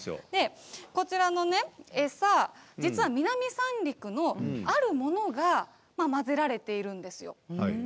こちらの餌、南三陸のあるものが混ぜられているんですよ。